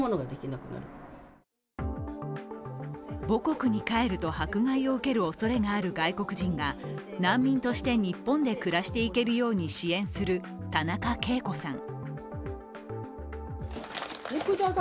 母国に帰ると迫害を受けるおそれがある外国人が難民として日本で暮らしていけるように支援する田中惠子さん。